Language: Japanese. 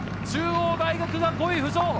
中央大学が５位浮上。